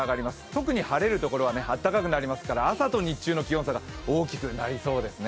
特に晴れるところはあったかくなりますから朝と日中の気温差が大きくなりそうですね。